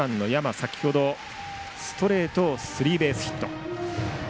先ほどストレートをスリーベースヒット。